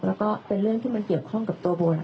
เราก็เป็นเรื่องที่มันเกี่ยวข้องกับตัวโบแล้วกันนะคะ